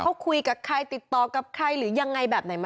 เขาคุยกับใครติดต่อกับใครหรือยังไงแบบไหนไหม